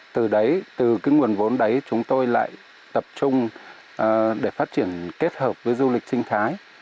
từ đấy từ cái nguồn vốn đấy chúng tôi lại tập trung để phát triển kết hợp với du lịch sinh thái